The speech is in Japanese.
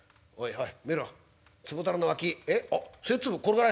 おい！